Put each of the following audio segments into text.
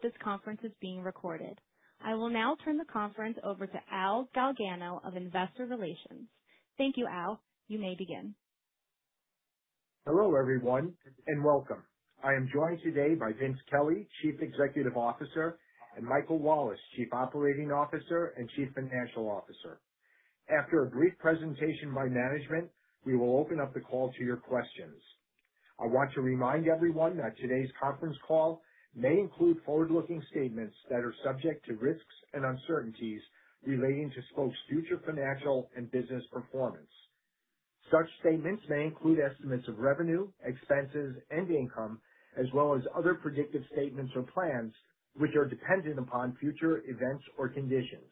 This conference is being recorded. I will now turn the conference over to Al Galgano of Investor Relations. Thank you, Al. You may begin. Hello everyone, welcome. I am joined today by Vince Kelly, Chief Executive Officer, and Michael Wallace, Chief Operating Officer and Chief Financial Officer. After a brief presentation by management, we will open up the call to your questions. I want to remind everyone that today's conference call may include forward-looking statements that are subject to risks and uncertainties relating to Spok's future financial and business performance. Such statements may include estimates of revenue, expenses, and income as well as other predictive statements or plans, which are dependent upon future events or conditions.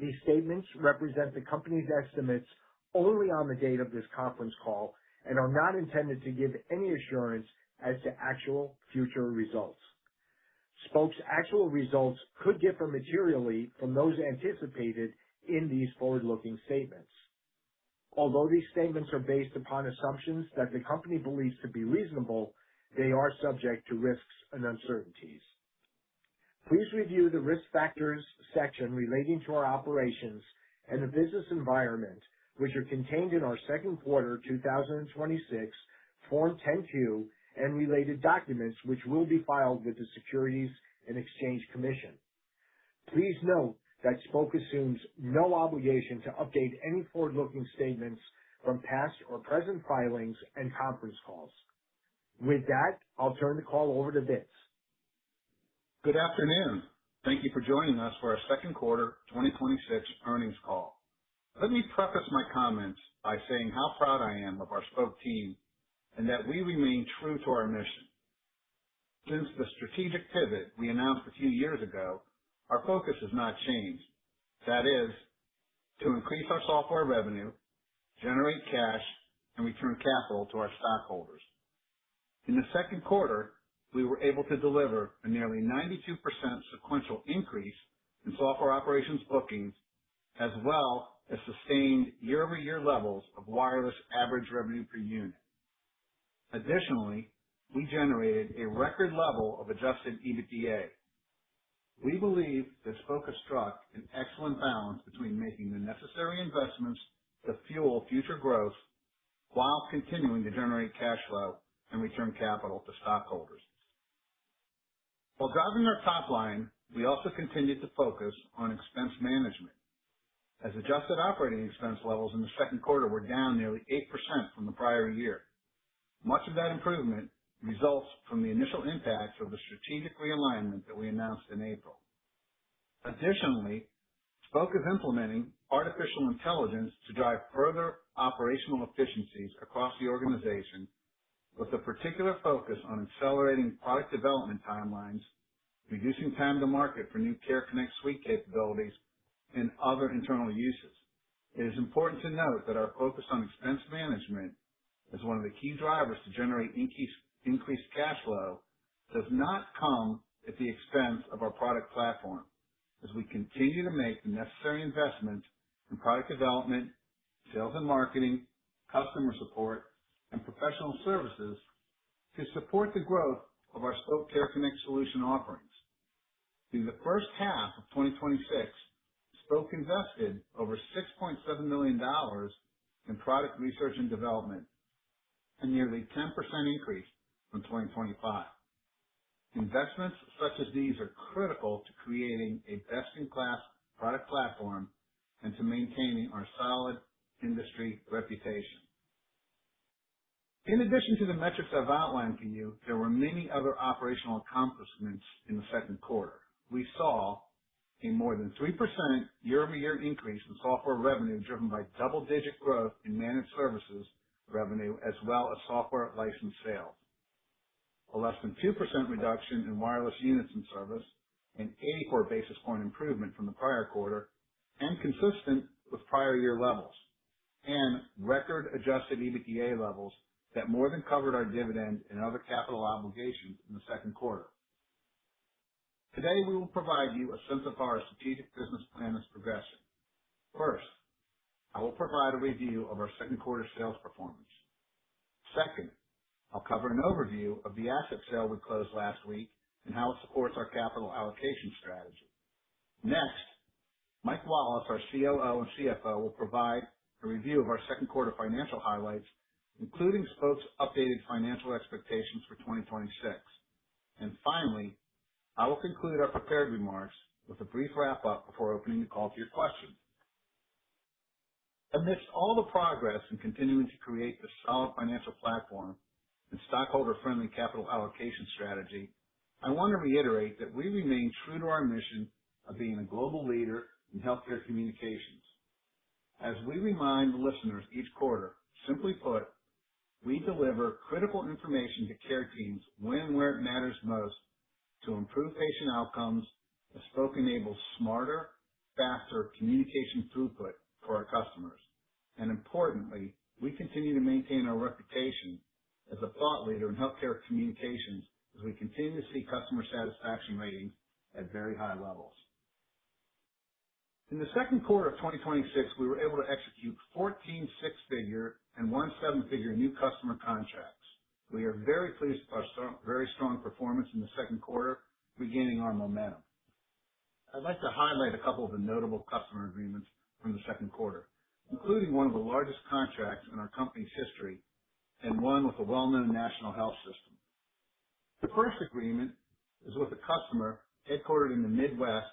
These statements represent the company's estimates only on the date of this conference call and are not intended to give any assurance as to actual future results. Spok's actual results could differ materially from those anticipated in these forward-looking statements. Although these statements are based upon assumptions that the company believes to be reasonable, they are subject to risks and uncertainties. Please review the Risk Factors section relating to our operations and the business environment, which are contained in our second quarter 2026 Form 10-Q and related documents, which will be filed with the Securities and Exchange Commission. Please note that Spok assumes no obligation to update any forward-looking statements from past or present filings and conference calls. With that, I'll turn the call over to Vince. Good afternoon. Thank you for joining us for our second quarter 2026 earnings call. Let me preface my comments by saying how proud I am of our Spok team and that we remain true to our mission. Since the strategic pivot we announced a few years ago, our focus has not changed. That is to increase our software revenue, generate cash, and return capital to our stockholders. In the second quarter, we were able to deliver a nearly 92% sequential increase in software operations bookings, as well as sustained year-over-year levels of wireless average revenue per unit. Additionally, we generated a record level of adjusted EBITDA. We believe that Spok has struck an excellent balance between making the necessary investments to fuel future growth while continuing to generate cash flow and return capital to stockholders. While driving our top line, we also continued to focus on expense management, as adjusted operating expense levels in the second quarter were down nearly 8% from the prior year. Much of that improvement results from the initial impacts of the strategic realignment that we announced in April. Additionally, Spok is implementing AI to drive further operational efficiencies across the organization with a particular focus on accelerating product development timelines, reducing time to market for new Care Connect Suite capabilities, and other internal uses. It is important to note that our focus on expense management as one of the key drivers to generate increased cash flow does not come at the expense of our product platform, as we continue to make the necessary investment in product development, sales and marketing, customer support, and professional services to support the growth of our Spok Care Connect solution offerings. Through the first half of 2026, Spok invested over $6.7 million in product research and development, a nearly 10% increase from 2025. Investments such as these are critical to creating a best-in-class product platform and to maintaining our solid industry reputation. In addition to the metrics I've outlined for you, there were many other operational accomplishments in the second quarter. We saw a more than 3% year-over-year increase in software revenue, driven by double-digit growth in managed services revenue as well as software license sales. A less than 2% reduction in wireless units in service, an 80 basis point improvement from the prior quarter, and consistent with prior year levels, and record adjusted EBITDA levels that more than covered our dividend and other capital obligations in the second quarter. Today, we will provide you a sense of how our strategic business plan is progressing. First, I will provide a review of our second quarter sales performance. Second, I'll cover an overview of the asset sale we closed last week and how it supports our capital allocation strategy. Next, Mike Wallace, our COO and CFO, will provide a review of our second quarter financial highlights, including Spok's updated financial expectations for 2026. Finally, I will conclude our prepared remarks with a brief wrap-up before opening the call to your questions. Amidst all the progress in continuing to create the solid financial platform and stockholder-friendly capital allocation strategy, I want to reiterate that we remain true to our mission of being a global leader in healthcare communications. As we remind listeners each quarter, simply put, we deliver critical information to care teams when and where it matters most to improve patient outcomes as Spok enables smarter, faster communication throughput for our customers. Importantly, we continue to maintain our reputation as a thought leader in healthcare communications as we continue to see customer satisfaction ratings at very high levels. In the second quarter of 2026, we were able to execute 14 six-figure and one seven-figure new customer contracts. We are very pleased with our very strong performance in the second quarter, regaining our momentum. I'd like to highlight a couple of the notable customer agreements from the second quarter, including one of the largest contracts in our company's history, and one with a well-known national health system. The first agreement is with a customer headquartered in the Midwest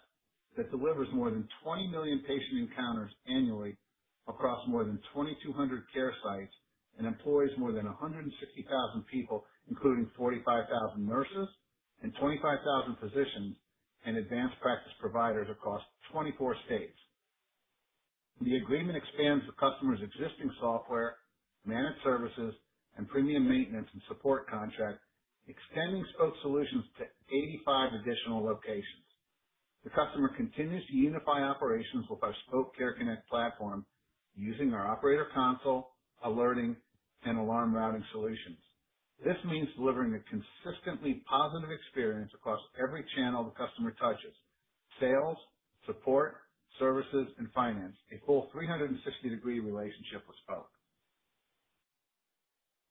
that delivers more than 20 million patient encounters annually across more than 2,200 care sites and employs more than 160,000 people, including 45,000 nurses and 25,000 physicians and advanced practice providers across 24 states. The agreement expands the customer's existing software, managed services, and premium maintenance and support contract, extending Spok solutions to 85 additional locations. The customer continues to unify operations with our Spok Care Connect platform using our operator console, alerting, and alarm routing solutions. This means delivering a consistently positive experience across every channel the customer touches: sales, support, services, and finance. A full 360-degree relationship with Spok.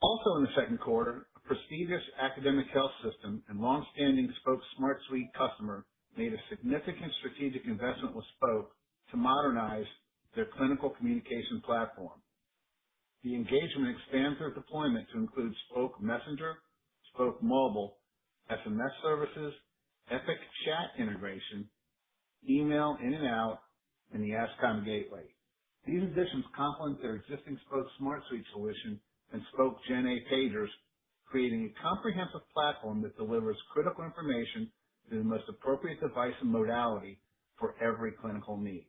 Also in the second quarter, a prestigious academic health system and longstanding Spok Smart Suite customer made a significant strategic investment with Spok to modernize their clinical communication platform. The engagement expands their deployment to include Spok Messenger, Spok Mobile, SMS services, Epic chat integration, email in and out, and the Ascom Gateway. These additions complement their existing Spok Smart Suite solution and Spok GenA pagers, creating a comprehensive platform that delivers critical information to the most appropriate device and modality for every clinical need.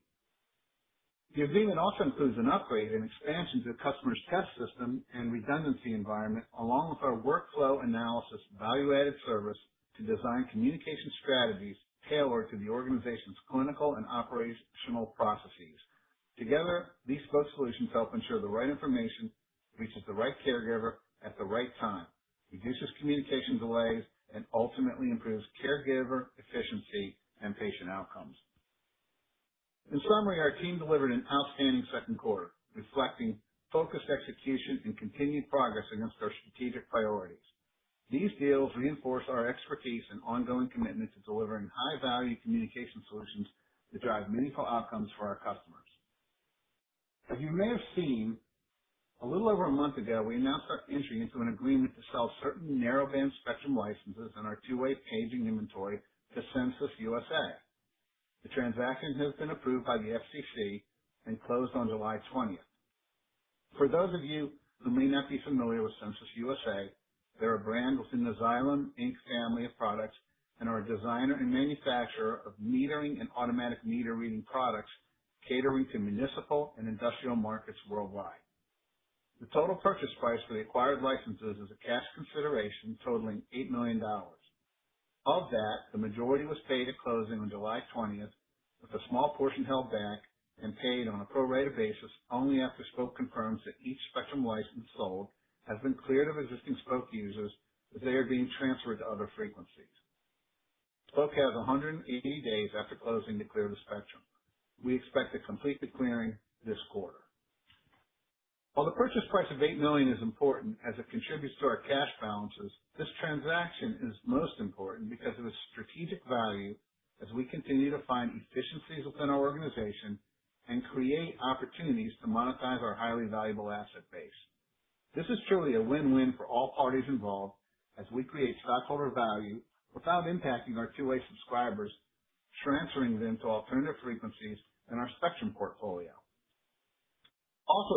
The agreement also includes an upgrade and expansion to the customer's test system and redundancy environment, along with our workflow analysis value-added service to design communication strategies tailored to the organization's clinical and operational processes. Together, these Spok solutions help ensure the right information reaches the right caregiver at the right time, reduces communication delays, and ultimately improves caregiver efficiency and patient outcomes. In summary, our team delivered an outstanding second quarter, reflecting focused execution and continued progress against our strategic priorities. These deals reinforce our expertise and ongoing commitment to delivering high-value communication solutions that drive meaningful outcomes for our customers. As you may have seen, a little over a month ago, we announced our entry into an agreement to sell certain narrowband spectrum licenses on our two-way paging inventory to Sensus USA. The transaction has been approved by the FCC and closed on July 20th. For those of you who may not be familiar with Sensus USA, they're a brand within the Xylem Inc. family of products and are a designer and manufacturer of metering and automatic meter reading products catering to municipal and industrial markets worldwide. The total purchase price for the acquired licenses is a cash consideration totaling $8 million. Of that, the majority was paid at closing on July 20th, with a small portion held back and paid on a pro-rata basis only after Spok confirms that each spectrum license sold has been cleared of existing Spok users, as they are being transferred to other frequencies. Spok has 180 days after closing to clear the spectrum. We expect to complete the clearing this quarter. While the purchase price of $8 million is important as it contributes to our cash balances, this transaction is most important because of its strategic value as we continue to find efficiencies within our organization and create opportunities to monetize our highly valuable asset base. This is truly a win-win for all parties involved as we create stockholder value without impacting our two-way subscribers, transferring them to alternative frequencies in our spectrum portfolio.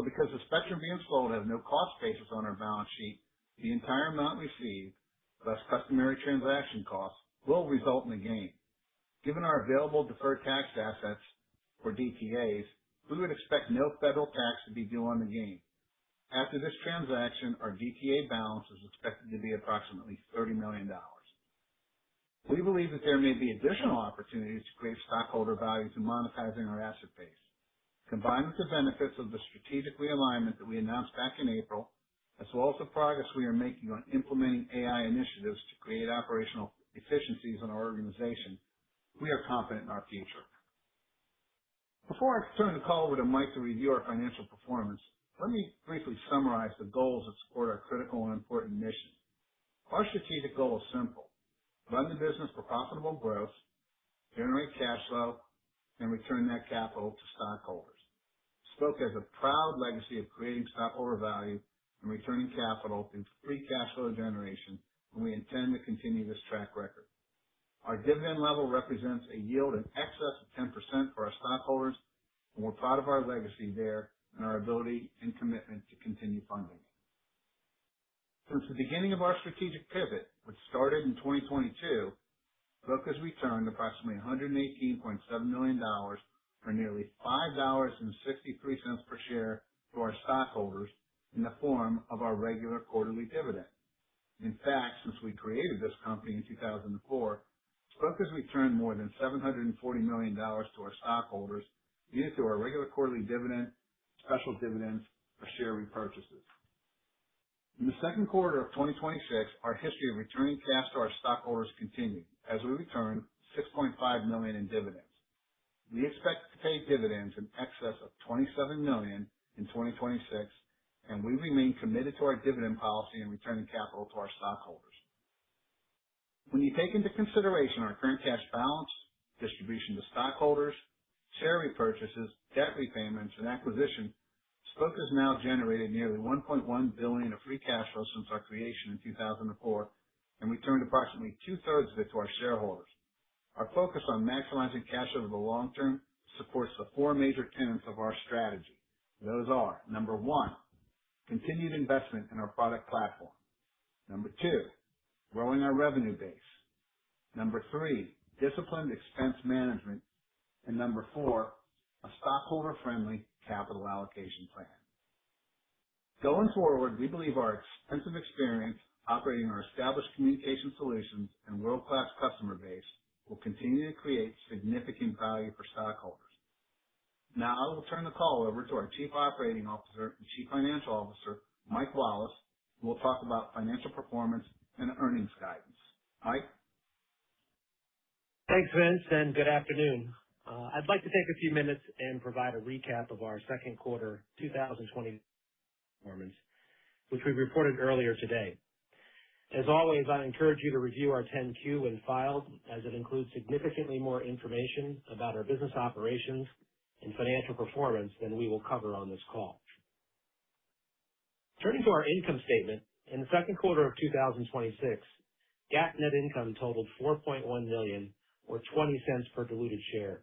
Because the spectrum being sold has no cost basis on our balance sheet, the entire amount received, less customary transaction costs, will result in a gain. Given our available deferred tax assets, or DTAs, we would expect no federal tax to be due on the gain. After this transaction, our DTA balance is expected to be approximately $30 million. We believe that there may be additional opportunities to create stockholder value through monetizing our asset base. Combined with the benefits of the strategic realignment that we announced back in April, as well as the progress we are making on implementing AI initiatives to create operational efficiencies in our organization, we are confident in our future. Before I turn the call over to Mike to review our financial performance, let me briefly summarize the goals that support our critical and important mission. Our strategic goal is simple: run the business for profitable growth, generate cash flow, and return that capital to stockholders. Spok has a proud legacy of creating stockholder value and returning capital through free cash flow generation, and we intend to continue this track record. Our dividend level represents a yield in excess of 10% for our stockholders, and we are proud of our legacy there and our ability and commitment to continue funding it. Since the beginning of our strategic pivot, which started in 2022, Spok has returned approximately $118.7 million, or nearly $5.63 per share, to our stockholders in the form of our regular quarterly dividend. In fact, since we created this company in 2004, Spok has returned more than $740 million to our stockholders, be it through our regular quarterly dividend, special dividends, or share repurchases. In the second quarter of 2026, our history of returning cash to our stockholders continued as we returned $6.5 million in dividends. We expect to pay dividends in excess of $27 million in 2026, and we remain committed to our dividend policy in returning capital to our stockholders. When you take into consideration our current cash balance, distribution to stockholders, share repurchases, debt repayments, and acquisitions, Spok has now generated nearly $1.1 billion of free cash flow since our creation in 2004, and returned approximately two-thirds of it to our shareholders. Our focus on maximizing cash over the long term supports the four major tenets of our strategy. Those are, number one, continued investment in our product platform. Number two, growing our revenue base. Number three, disciplined expense management. Number four, a stockholder-friendly capital allocation plan. Going forward, we believe our extensive experience operating our established communication solutions and world-class customer base will continue to create significant value for stockholders. I will turn the call over to our Chief Operating Officer and Chief Financial Officer, Mike Wallace, who will talk about financial performance and earnings guidance. Mike? Thanks, Vince, and good afternoon. I'd like to take a few minutes and provide a recap of our second quarter 2026 performance, which we reported earlier today. As always, I encourage you to review our 10-Q when filed, as it includes significantly more information about our business operations and financial performance than we will cover on this call. Turning to our income statement, in the second quarter of 2026, GAAP net income totaled $4.1 million, or $0.20 per diluted share,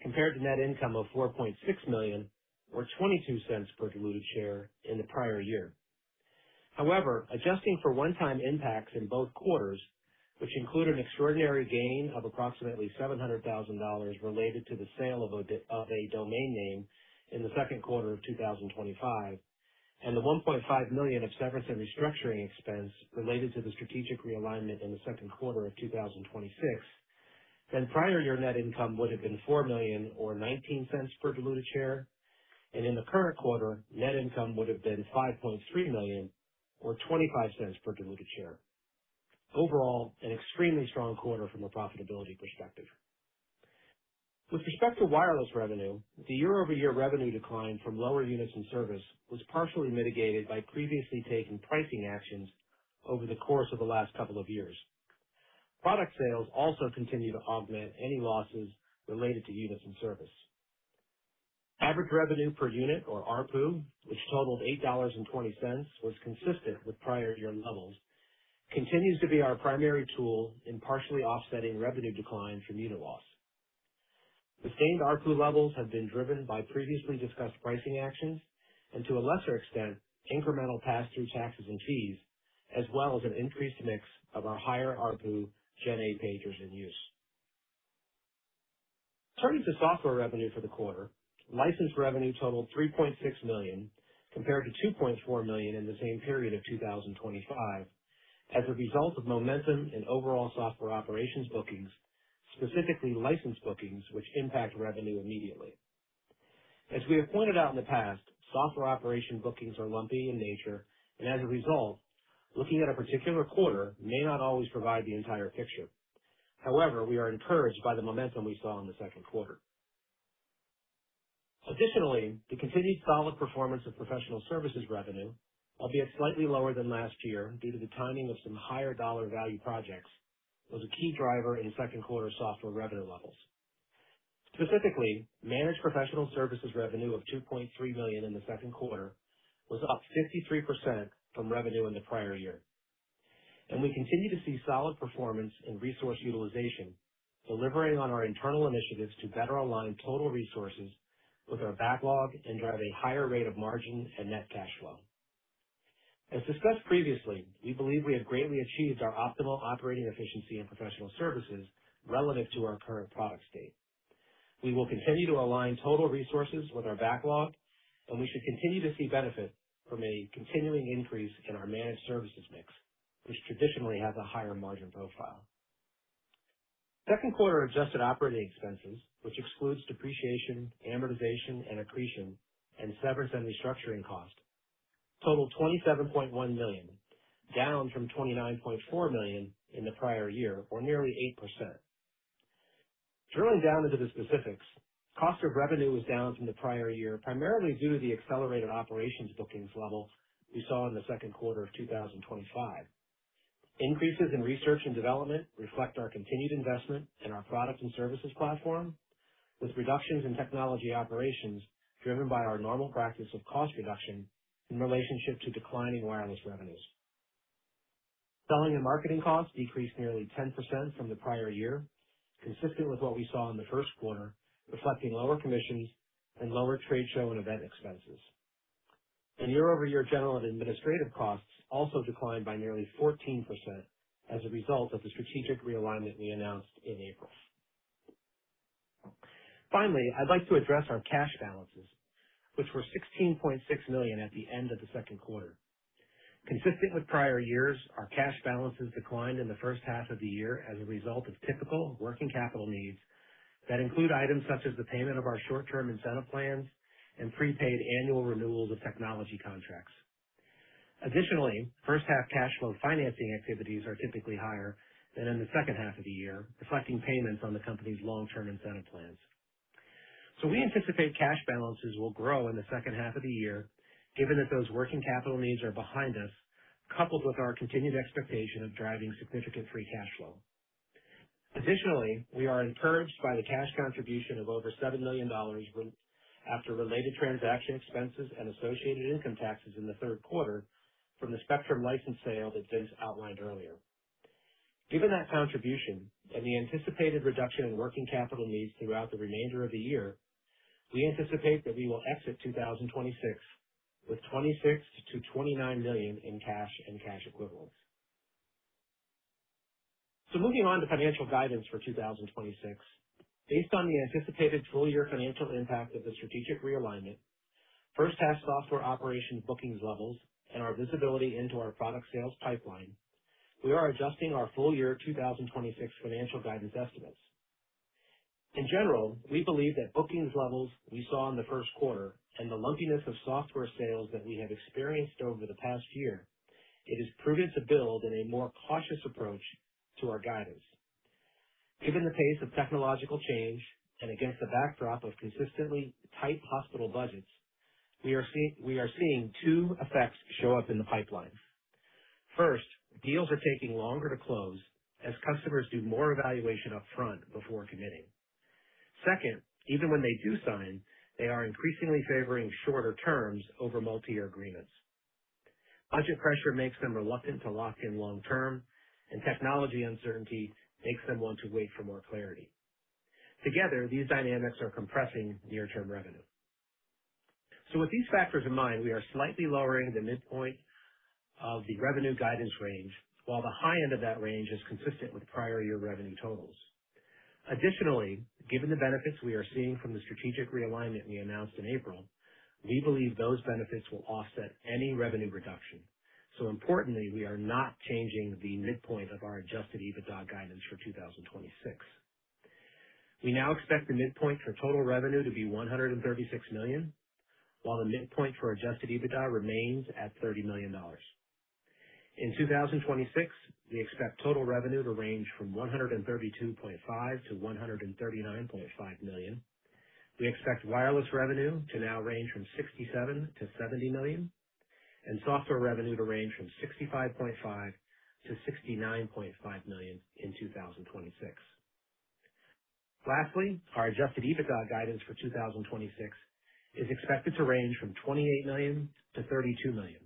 compared to net income of $4.6 million, or $0.22 per diluted share in the prior year. Adjusting for one-time impacts in both quarters, which include an extraordinary gain of approximately $700,000 related to the sale of a domain name in the second quarter of 2025, and the $1.5 million of severance and restructuring expense related to the strategic realignment in the second quarter of 2026, then prior year net income would've been $4 million or $0.19 per diluted share, and in the current quarter, net income would've been $5.3 million or $0.25 per diluted share. Overall, an extremely strong quarter from a profitability perspective. With respect to wireless revenue, the year-over-year revenue decline from lower units in service was partially mitigated by previously taking pricing actions over the course of the last couple of years. Product sales also continue to augment any losses related to units in service. Average revenue per unit, or ARPU, which totaled $8.20, was consistent with prior year levels, continues to be our primary tool in partially offsetting revenue decline from unit loss. Sustained ARPU levels have been driven by previously discussed pricing actions and, to a lesser extent, incremental pass-through taxes and fees, as well as an increased mix of our higher ARPU GenA pagers in use. Turning to software revenue for the quarter, license revenue totaled $3.6 million, compared to $2.4 million in the same period of 2025 as a result of momentum in overall software operations bookings, specifically license bookings, which impact revenue immediately. As we have pointed out in the past, software operations bookings are lumpy in nature and as a result, looking at a particular quarter may not always provide the entire picture. We are encouraged by the momentum we saw in the second quarter. The continued solid performance of professional services revenue, albeit slightly lower than last year due to the timing of some higher dollar value projects, was a key driver in second quarter software revenue levels. Specifically, managed professional services revenue of $2.3 million in the second quarter was up 53% from revenue in the prior year. We continue to see solid performance in resource utilization, delivering on our internal initiatives to better align total resources with our backlog and drive a higher rate of margin and net cash flow. As discussed previously, we believe we have greatly achieved our optimal operating efficiency in professional services relative to our current product state. We will continue to align total resources with our backlog, and we should continue to see benefit from a continuing increase in our managed services mix, which traditionally has a higher margin profile. Second quarter adjusted operating expenses, which excludes depreciation, amortization, and accretion, and severance and restructuring costs, totaled $27.1 million, down from $29.4 million in the prior year, or nearly 8%. Drilling down into the specifics, cost of revenue was down from the prior year, primarily due to the accelerated operations bookings level we saw in the second quarter of 2025. Increases in research and development reflect our continued investment in our products and services platform, with reductions in technology operations driven by our normal practice of cost reduction in relationship to declining wireless revenues. Selling and marketing costs decreased nearly 10% from the prior year, consistent with what we saw in the first quarter, reflecting lower commissions and lower trade show and event expenses. Year-over-year general and administrative costs also declined by nearly 14% as a result of the strategic realignment we announced in April. Finally, I'd like to address our cash balances, which were $16.6 million at the end of the second quarter. Consistent with prior years, our cash balances declined in the first half of the year as a result of typical working capital needs that include items such as the payment of our short-term incentive plans and prepaid annual renewals of technology contracts. Additionally, first-half cash flow financing activities are typically higher than in the second half of the year, reflecting payments on the company's long-term incentive plans. We anticipate cash balances will grow in the second half of the year, given that those working capital needs are behind us, coupled with our continued expectation of driving significant free cash flow. Additionally, we are encouraged by the cash contribution of over $7 million after related transaction expenses and associated income taxes in the third quarter from the spectrum license sale that Vince outlined earlier. Given that contribution and the anticipated reduction in working capital needs throughout the remainder of the year, we anticipate that we will exit 2026 with $26 million-$29 million in cash and cash equivalents. Moving on to financial guidance for 2026. Based on the anticipated full-year financial impact of the strategic realignment, first half software operations bookings levels, and our visibility into our product sales pipeline, we are adjusting our full-year 2026 financial guidance estimates. In general, we believe that bookings levels we saw in the first quarter and the lumpiness of software sales that we have experienced over the past year, it is prudent to build in a more cautious approach to our guidance. Given the pace of technological change, and against the backdrop of consistently tight hospital budgets, we are seeing two effects show up in the pipeline. First, deals are taking longer to close as customers do more evaluation upfront before committing. Second, even when they do sign, they are increasingly favoring shorter terms over multi-year agreements. Budget pressure makes them reluctant to lock in long term, and technology uncertainty makes them want to wait for more clarity. Together, these dynamics are compressing near-term revenue. With these factors in mind, we are slightly lowering the midpoint of the revenue guidance range, while the high end of that range is consistent with prior year revenue totals. Additionally, given the benefits we are seeing from the strategic realignment we announced in April, we believe those benefits will offset any revenue reduction. Importantly, we are not changing the midpoint of our adjusted EBITDA guidance for 2026. We now expect the midpoint for total revenue to be $136 million, while the midpoint for adjusted EBITDA remains at $30 million. In 2026, we expect total revenue to range from $132.5 million-$139.5 million. We expect wireless revenue to now range from $67 million-$70 million, and software revenue to range from $65.5 million-$69.5 million in 2026. Lastly, our adjusted EBITDA guidance for 2026 is expected to range from $28 million-$32 million.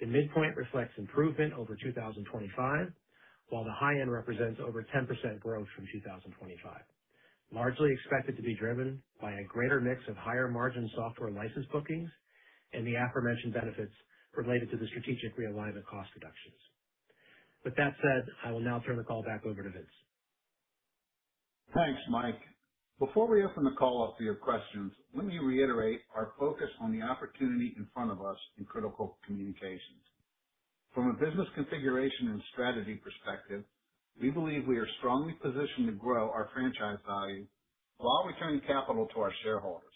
The midpoint reflects improvement over 2025, while the high end represents over 10% growth from 2025, largely expected to be driven by a greater mix of higher margin software license bookings and the aforementioned benefits related to the strategic realignment cost reductions. I will now turn the call back over to Vince. Thanks, Mike. Before we open the call up to your questions, let me reiterate our focus on the opportunity in front of us in critical communications. From a business configuration and strategy perspective, we believe we are strongly positioned to grow our franchise value while returning capital to our shareholders.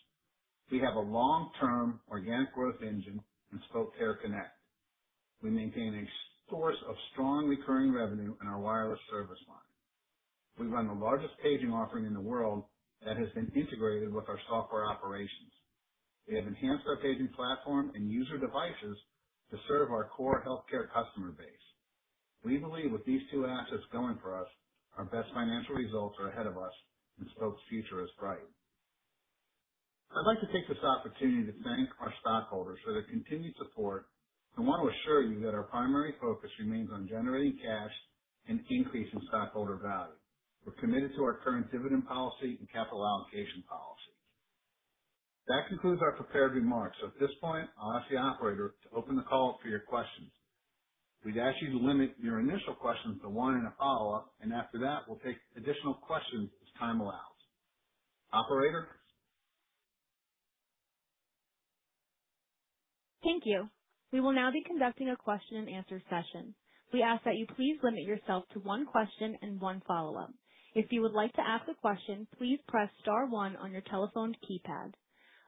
We have a long-term organic growth engine in Spok Care Connect. We maintain a source of strong recurring revenue in our wireless service line. We run the largest paging offering in the world that has been integrated with our software operations. We have enhanced our paging platform and user devices to serve our core healthcare customer base. We believe with these two assets going for us, our best financial results are ahead of us and Spok's future is bright. I would like to take this opportunity to thank our stockholders for their continued support and want to assure you that our primary focus remains on generating cash and increasing stockholder value. We are committed to our current dividend policy and capital allocation policy. That concludes our prepared remarks. At this point, I will ask the operator to open the call up for your questions. We would ask you to limit your initial questions to one and a follow-up, and after that, we will take additional questions as time allows. Operator? Thank you. We will now be conducting a question-and-answer session. We ask that you please limit yourself to one question and one follow-up. If you would like to ask a question, please press star one on your telephone keypad.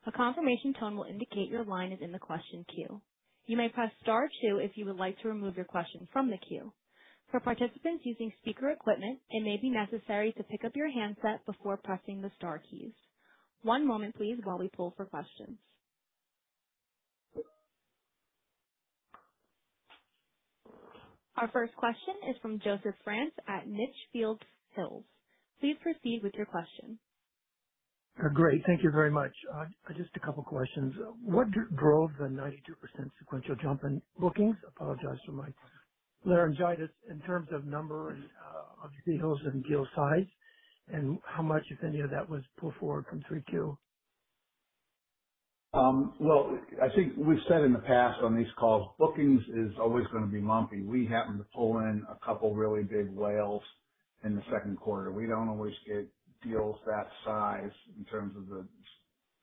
A confirmation tone will indicate your line is in the question queue. You may press star two if you would like to remove your question from the queue. For participants using speaker equipment, it may be necessary to pick up your handset before pressing the star keys. One moment, please, while we pull for questions. Our first question is from Joseph France at Litchfield Hills. Please proceed with your question. Great. Thank you very much. Just a couple of questions. What drove the 92% sequential jump in bookings? Apologize for my laryngitis. In terms of number of deals and deal size, and how much, if any, of that was pull forward from 3Q? Well, I think we've said in the past on these calls, bookings is always going to be lumpy. We happen to pull in a couple of really big whales in the second quarter. We don't always get deals that size in terms of the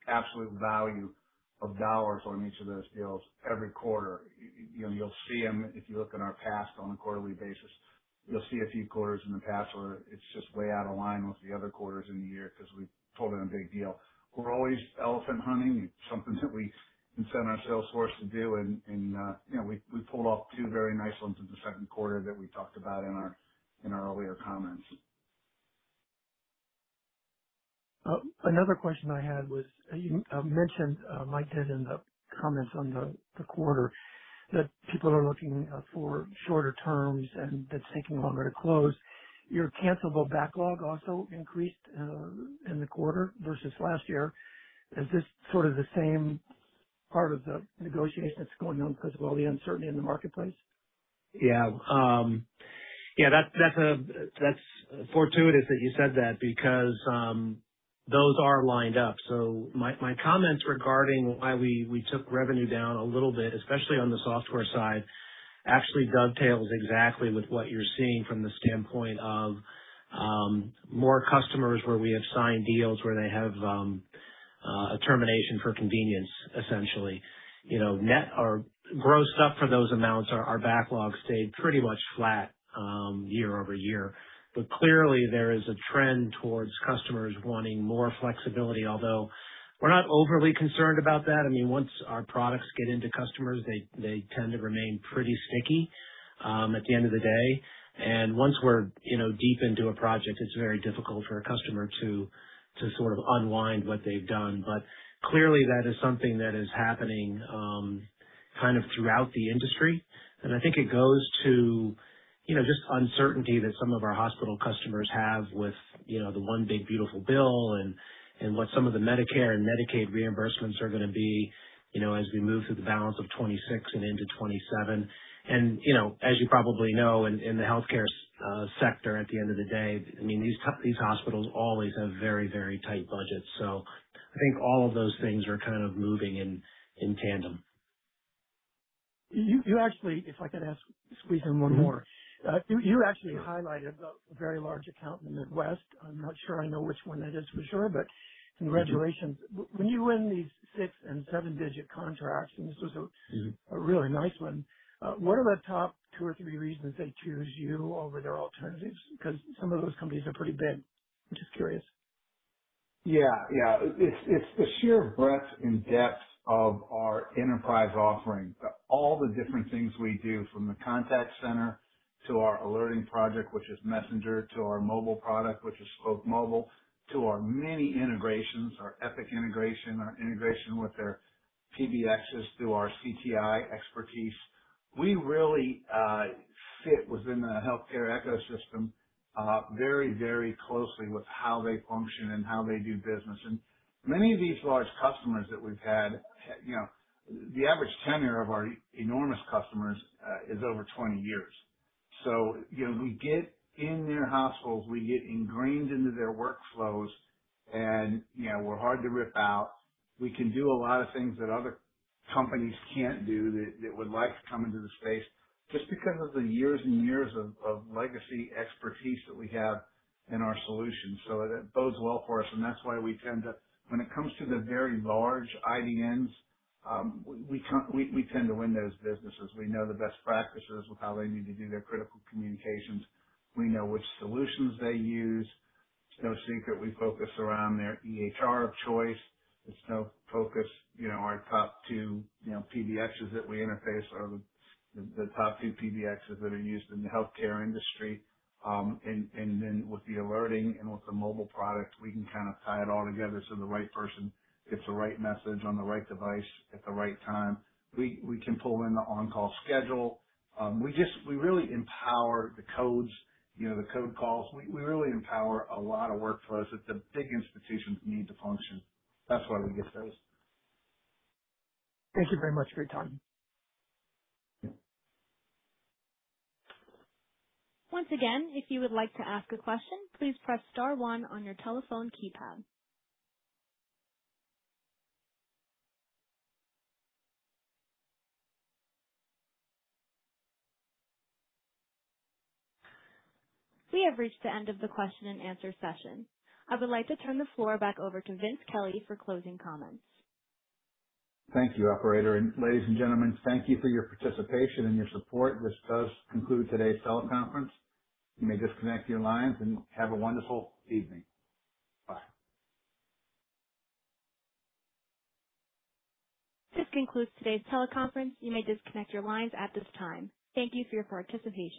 absolute value of dollars on each of those deals every quarter. You'll see them if you look in our past on a quarterly basis. You'll see a few quarters in the past where it's just way out of line with the other quarters in the year because we pulled in a big deal. We're always elephant hunting. Something that we incent our sales force to do, and we pulled off two very nice ones in the second quarter that we talked about in our earlier comments. Another question I had was, Mike did in the comments on the quarter, that people are looking for shorter terms and it's taking longer to close. Your cancelable backlog also increased in the quarter versus last year. Is this sort of the same part of the negotiation that's going on because of all the uncertainty in the marketplace? Yeah. That's fortuitous that you said that because those are lined up. My comments regarding why we took revenue down a little bit, especially on the software side, actually dovetails exactly with what you're seeing from the standpoint of more customers where we have signed deals where they have a termination for convenience, essentially. Grossed up for those amounts, our backlog stayed pretty much flat year-over-year. Clearly there is a trend towards customers wanting more flexibility, although we're not overly concerned about that. Once our products get into customers, they tend to remain pretty sticky at the end of the day. Once we're deep into a project, it's very difficult for a customer to unwind what they've done. Clearly that is something that is happening throughout the industry. I think it goes to just uncertainty that some of our hospital customers have with the One Big Beautiful Bill Act and what some of the Medicare and Medicaid reimbursements are going to be as we move through the balance of 2026 and into 2027. As you probably know, in the healthcare sector, at the end of the day, these hospitals always have very tight budgets. I think all of those things are kind of moving in tandem. If I could squeeze in one more. You actually highlighted a very large account in the Midwest. I'm not sure I know which one that is for sure, but congratulations. When you win these six and seven-digit contracts, and this was a really nice one, what are the top two or three reasons they choose you over their alternatives? Some of those companies are pretty big. I'm just curious. Yeah. It's the sheer breadth and depth of our enterprise offering. All the different things we do, from the contact center to our alerting project, which is Spok Messenger, to our mobile product, which is Spok Mobile, to our many integrations, our Epic integration, our integration with their PBXs through our CTI expertise. We really fit within the healthcare ecosystem very closely with how they function and how they do business. Many of these large customers that we've had, the average tenure of our enormous customers is over 20 years. We get in their hospitals, we get ingrained into their workflows, and we're hard to rip out. We can do a lot of things that other companies can't do that would like to come into the space just because of the years and years of legacy expertise that we have in our solutions. That bodes well for us, and that's why we tend to, when it comes to the very large IDNs, we tend to win those businesses. We know the best practices with how they need to do their critical communications. We know which solutions they use. It's no secret we focus around their EHR of choice. Our top two PBXs that we interface are the top two PBXs that are used in the healthcare industry. With the alerting and with the mobile product, we can kind of tie it all together so the right person gets the right message on the right device at the right time. We can pull in the on-call schedule. We really empower the code calls. We really empower a lot of workflows that the big institutions need to function. That's why we get those. Thank you very much for your time. Once again, if you would like to ask a question, please press star one on your telephone keypad. We have reached the end of the question-and-answer session. I would like to turn the floor back over to Vince Kelly for closing comments. Thank you, operator. Ladies and gentlemen, thank you for your participation and your support. This does conclude today's teleconference. You may disconnect your lines and have a wonderful evening. Bye. This concludes today's teleconference. You may disconnect your lines at this time. Thank you for your participation.